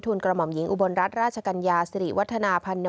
ทุนกรมอ่อมหญิงอุบลรัฐราชกัญญาสรีวัฒนาพันธวดี